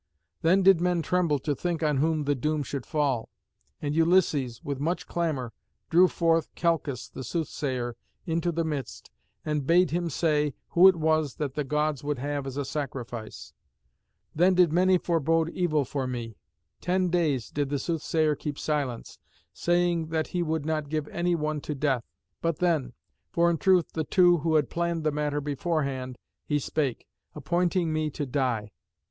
Then did men tremble to think on whom the doom should fall, and Ulysses, with much clamour, drew forth Calchas the soothsayer into the midst, and bade him say who it was that the Gods would have as a sacrifice. Then did many forebode evil for me. Ten days did the soothsayer keep silence, saying that he would not give any one to death. But then, for in truth the two had planned the matter beforehand, he spake, appointing me to die.